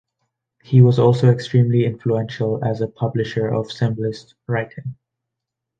He was also extremely influential as a publisher of symbolist writing.